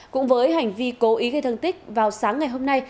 cũng với hành vi cố ý gây thương tích vào sáng ngày hôm nay